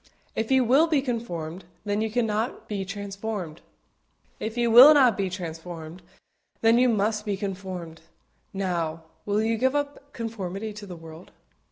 If you will be conformed, then you cannot be transformed; if you will not be transformed, then you must be conformed. Now, will you give up conformity to the world?